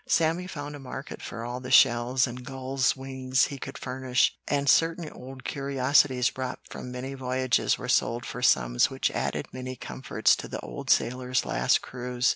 Sammy found a market for all the shells and gulls' wings he could furnish, and certain old curiosities brought from many voyages were sold for sums which added many comforts to the old sailor's last cruise.